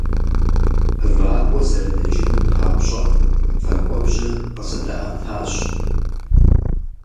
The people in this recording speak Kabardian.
Вакӏуэ зэрыдэкӏыным папщӏэ вэкӏуэбжьэ къызэдаӏэтащ.